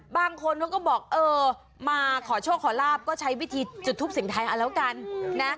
บางคนเขาก็บอกเออมาขอโชคขอลาบก็ใช้วิธีจุดทูปเสียงไทยเอาแล้วกันนะ